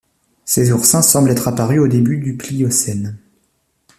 Ces oursins semblent être apparus au début du Pliocène.